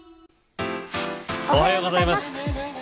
おはようございます。